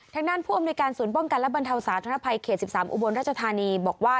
ทางด้านผู้อำนวยการศูนย์ป้องกันและบรรเทาสาธารณภัยเขต๑๓อุบลราชธานีบอกว่า